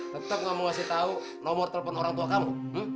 tetap kamu ngasih tahu nomor telepon orang tua kamu